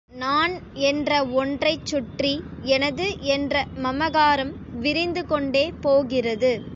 நான் என்ற ஒன்றைச் சுற்றி எனது என்ற மமகாரம் விரிந்து கொண்டே போகிறது.